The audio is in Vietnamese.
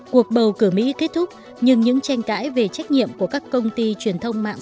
cuộc bầu cử mỹ kết thúc nhưng những tranh cãi về trách nhiệm của các công ty truyền thông mạng